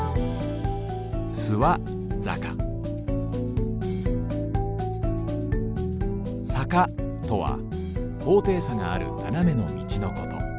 諏訪坂坂とはこうていさがあるななめのみちのこと。